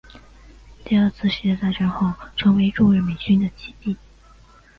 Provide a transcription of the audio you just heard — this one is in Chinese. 第二次世界大战后成为驻日美军的基地。